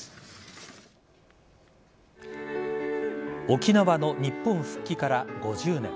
沖縄の日本復帰から５０年。